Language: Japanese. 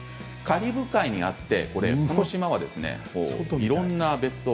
カリブ海にあって、この島はいろんな別荘